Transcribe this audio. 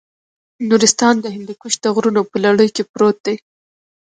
نورستان د هندوکش د غرونو په لړۍ کې پروت دی.